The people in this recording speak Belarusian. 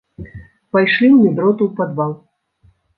Пайшлі ў медроту ў падвал.